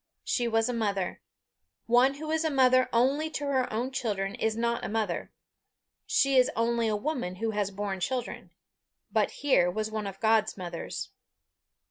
She was a mother. One who is mother only to her own children is not a mother; she is only a woman who has borne children. But here was one of God's mothers.